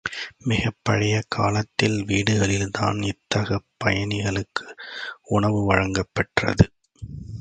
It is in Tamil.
மிகப்பழைய காலத்தில் வீடுகளில்தான், இத்தகு பயணிகளுக்கு உணவு வழங்கப் பெற்றது.